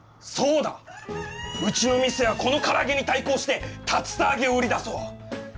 うちの店はこの唐揚げに対抗して竜田揚げを売り出そう！